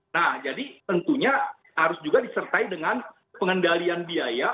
nah jadi tentunya harus juga disertai dengan pengendalian biaya